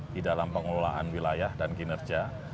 di dalam pengelolaan wilayah dan kinerja